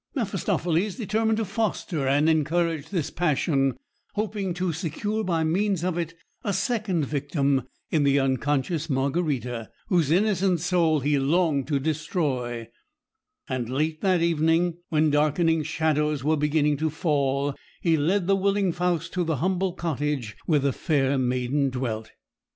Mephistopheles determined to foster and encourage this passion, hoping to secure by means of it a second victim in the unconscious Margarita, whose innocent soul he longed to destroy; and late that evening, when darkening shadows were beginning to fall, he led the willing Faust to the humble cottage where the fair maiden dwelt.